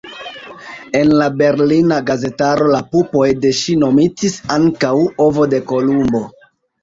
En la berlina gazetaro la pupoj de ŝi nomitis ankaŭ "ovo de Kolumbo".